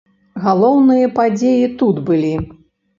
Галоўныя падзеі тут былі!